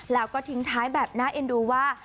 แล้วก็ทิ้งท้ายแบบน่าเอ็นดูว่า